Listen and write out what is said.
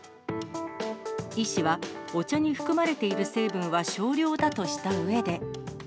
医師は、お茶に含まれている成分は少量だとしたうえで。